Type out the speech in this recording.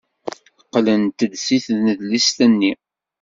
Qqlent-d seg tnedlist-nni.